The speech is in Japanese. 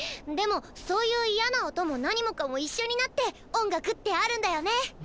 でもそういう嫌な音も何もかも一緒になって音楽ってあるんだよね！